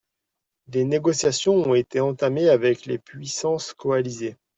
Des négociations ont été entamées avec les puissances coalisées.